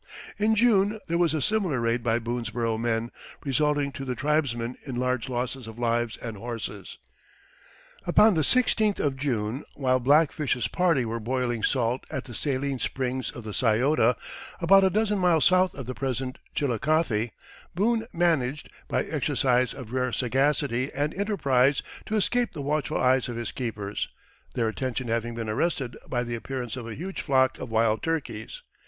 In June there was a similar raid by Boonesborough men, resulting to the tribesmen in large losses of lives and horses. Upon the sixteenth of June, while Black Fish's party were boiling salt at the saline springs of the Scioto about a dozen miles south of the present Chillicothe Boone managed, by exercise of rare sagacity and enterprise, to escape the watchful eyes of his keepers, their attention having been arrested by the appearance of a huge flock of wild turkeys.